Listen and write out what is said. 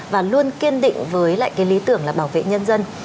và luôn kiên định với lại cái lý tưởng là bảo vệ nhân dân